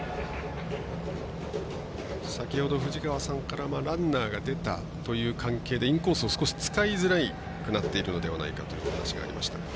先ほど藤川さんからランナーが出たという関係でインコースを少し使いづらくなっているのではないかというお話がありました。